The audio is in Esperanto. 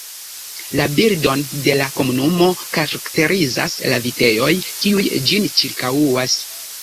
La bildon de la komunumo karakterizas la vitejoj, kiuj ĝin ĉirkaŭas.